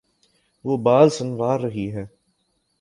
وہ بال سنوار رہی ہے